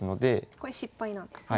これ失敗なんですね。